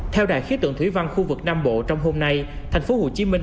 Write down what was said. theo đài khí tượng thủy văn khu vực nam bộ trong hôm nay thành phố hồ chí minh